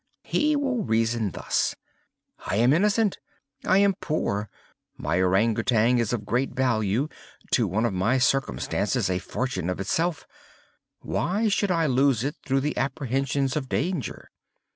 He will reason thus:—'I am innocent; I am poor; my Ourang Outang is of great value—to one in my circumstances a fortune of itself—why should I lose it through idle apprehensions of danger?